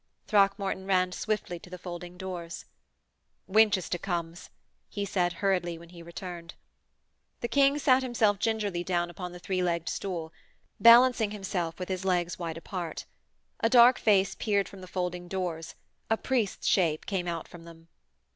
Throckmorton ran swiftly to the folding doors. ' Winchester comes,' he said hurriedly, when he returned. The King sat himself gingerly down upon the three legged stool, balancing himself with his legs wide apart. A dark face peered from the folding doors: a priest's shape came out from them.